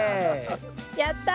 やった！